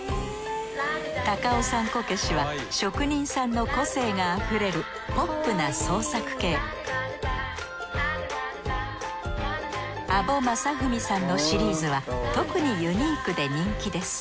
高尾山こけしは職人さんの個性があふれるポップな創作系阿保正文さんのシリーズは特にユニークで人気です。